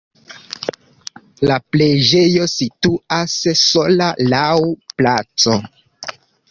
La preĝejo situas sola laŭ placo.